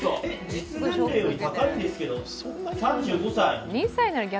実年齢より高いんですけど、３５歳！？